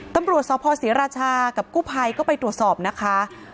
ตำรวจสภศรีราชากับกู้ภัยก็ไปตรวจสอบนะคะ